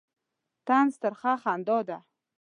طنز ترخه خندا ده.